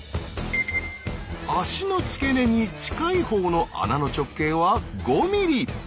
足の付け根に近いほうの穴の直径は５ｍｍ。